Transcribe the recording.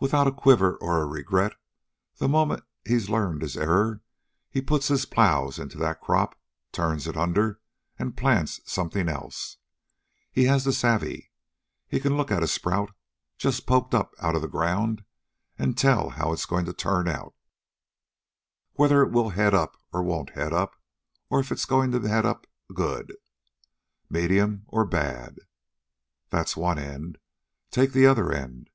Without a quiver or a regret, the moment he's learned his error, he puts his plows into that crop, turns it under, and plants something else. He has the savve. He can look at a sprout, just poked up out of the ground, and tell how it's going to turn out whether it will head up or won't head up; or if it's going to head up good, medium, or bad. That's one end. Take the other end.